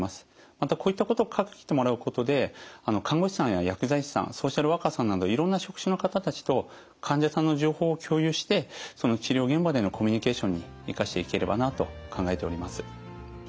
またこういったことを書いてもらうことで看護師さんや薬剤師さんソーシャルワーカーさんなどいろんな職種の方たちと患者さんの情報を共有してその治療現場でのコミュニケーションに生かしていければなと考えております。